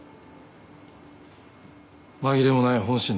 紛れもない本心だよ。